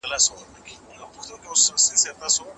که د پوهې لاره صافه وي، زده کونکي به لاسته راوړي.